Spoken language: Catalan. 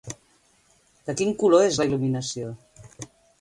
De quin color és la il·luminació?